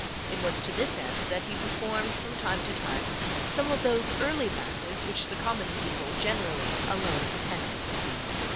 It was to this end that he performed from time to time some of those early masses which the common people, generally, alone attended.